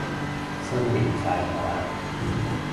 新年快樂啊